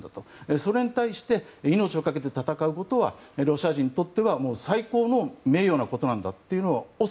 それに対して命を懸けて戦うことはロシア人にとっては最高の名誉なんだということを。